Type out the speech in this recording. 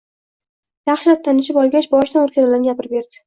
Yaxshilab tanishib olgach, boshidan o`tganlarini gapirib berdi